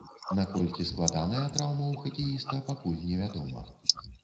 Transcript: Наколькі складаная траўма ў хакеіста, пакуль невядома.